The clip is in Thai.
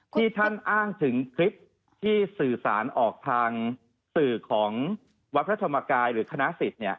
ที่ท่านอ้างถึงคลิปที่สื่อสารออกทางสื่อของวัดพระธรรมกายหรือคณะสิทธิ์